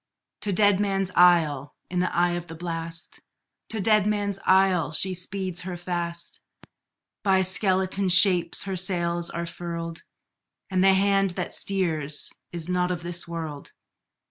To Deadman's Isle, in the eye of the blast, To Deadman's Isle, she speeds her fast; By skeleton shapes her sails are furled, And the hand that steers is not of this world!